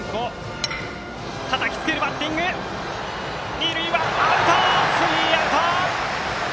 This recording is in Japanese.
二塁はアウト、スリーアウト。